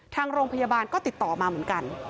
ทางโรงพยาบาลก็ติดต่อมาเหมือนกัน